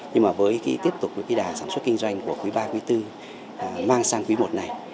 nhưng mà với tiếp tục đà sản xuất kinh doanh của quý iii quý iv mang sang quý i này